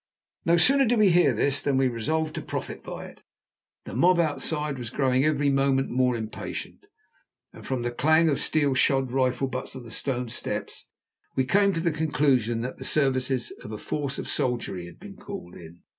No sooner did we hear this, than we resolved to profit by it. The mob outside was growing every moment more impatient, and from the clang of steel shod rifle butts on the stone steps we came to the conclusion that the services of a force of soldiery had been called in.